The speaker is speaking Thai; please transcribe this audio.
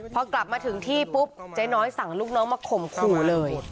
พอกลับมาถึงที่ปุ๊บเจ๊น้อยสั่งลูกน้องมาข่มขู่เลย